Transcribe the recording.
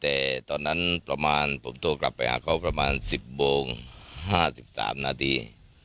แต่ตอนนั้นประมาณผมโทรกลับไปหาเขาประมาณ๑๐โมง๕๓นาที